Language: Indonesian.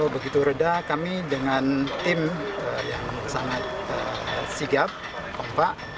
begitu reda kami dengan tim yang sangat sigap kompak